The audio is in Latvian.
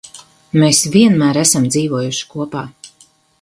Mēs vienmēr esam dzīvojuši kopā.